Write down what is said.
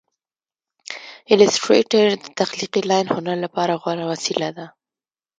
ایلیسټریټر د تخلیقي لاین هنر لپاره غوره وسیله ده.